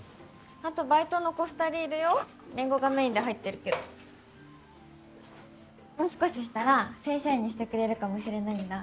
あとバイトの子二人いるよりんごがメインで入ってるけどもう少ししたら正社員にしてくれるかもしれないんだ